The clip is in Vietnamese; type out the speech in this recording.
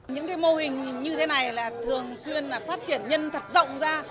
những mô hình như thế này thường xuyên phát triển nhân thật rộng ra